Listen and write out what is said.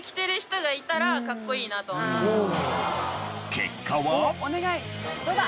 結果は。